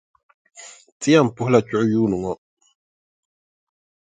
Ti yɛn puhila chuɣu yuuni ŋɔ.